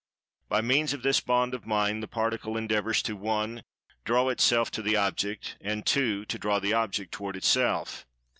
By means of this bond of Mind, the Particle endeavors to (1) draw itself to the object; and (2) to draw the object toward itself.